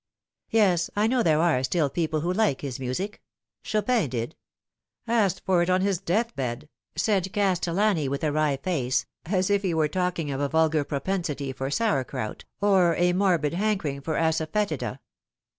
" Yes, I know there are still people who like his music. Chopin did ; asked for it on his death bed," said Castellani, with a wry face, as if he were talking of a vulgar propensity for sauerkraut or a morbid hankering for asafcatida.